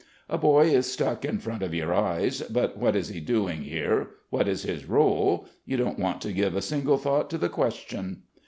A boy is stuck in front of your eyes, but what is he doing here, what is his rôle? you don't want to give a single thought to the question.